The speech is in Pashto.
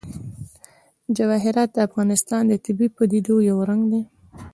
جواهرات د افغانستان د طبیعي پدیدو یو رنګ دی.